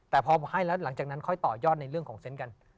แต่พอให้แล้วหลังจากนั้นค่อยต่อยอดในเรื่องของเซ็นต์กัน